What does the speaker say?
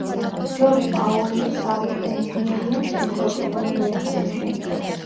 ჯორჯ პაუელი სწავლობდა ინჟინერიას სტენფორდის უნივერსიტეტში.